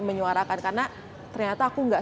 menyuarakan karena ternyata aku nggak